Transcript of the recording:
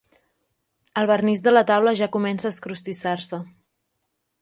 El vernís de la taula ja comença a escrostissar-se.